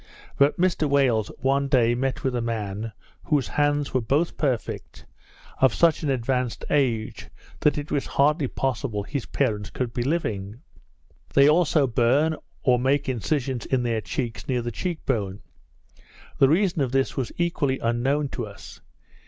But Mr Wales one day met with a man, whose hands were both perfect, of such an advanced age, that it was hardly possible his parents could be living. They also burn or make incisions in their cheeks, near the cheek bone. The reason of this was equally unknown to us.